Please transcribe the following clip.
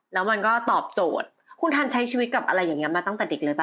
แล้วมันก็ตอบโจทย์คุณทันใช้ชีวิตกับอะไรอย่างนี้มาตั้งแต่เด็กเลยป